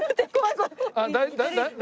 大丈夫。